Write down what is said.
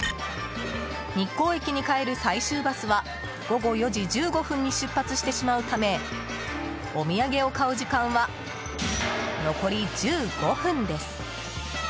日光駅に帰る最終バスは午後４時１５分に出発してしまうためお土産を買う時間は残り１５分です。